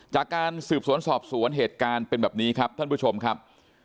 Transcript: จากการสืบสวนสอบสวนเหตุการณ์เป็นแบบนี้ครับท่านผู้ชมครับ